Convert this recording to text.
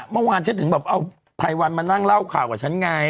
เมื่อวานฉันถึงแบบเอาไพรวันมานั่งเล่าข่าวกับฉันไง